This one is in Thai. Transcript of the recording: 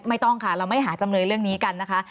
ไม่ต้องค่ะเราไม่หาจำเลยเรื่องนี้กันนะคะ